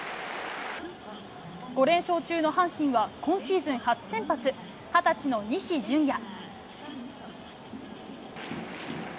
５連勝中の今シーズン初先発、２０歳の西純矢。